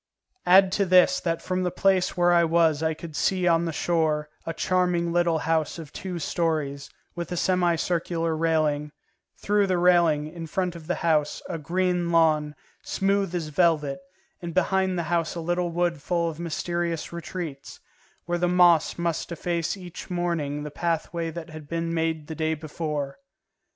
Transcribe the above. Add to this that from the place where I was I could see on the shore a charming little house of two stories, with a semicircular railing; through the railing, in front of the house, a green lawn, smooth as velvet, and behind the house a little wood full of mysterious retreats, where the moss must efface each morning the pathway that had been made the day before.